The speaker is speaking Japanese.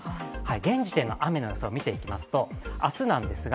現時点の雨の予想を見ていきますと、明日なんですが、